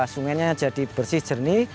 sungainya jadi bersih jernih